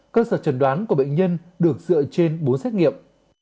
cơ sở trần đoán của bệnh nhân được dựa trên bốn xét nghiệm